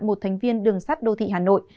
một thành viên đường sắt đô thị hà nội